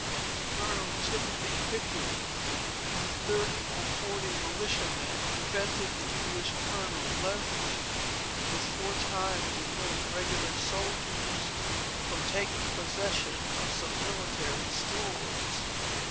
Colonel Timothy Pickering, with thirty or forty militia men, prevented the English colonel, Leslie, with four times as many regular soldiers, from taking possession of some military stores.